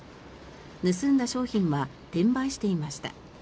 盗んだ商品は転売していました。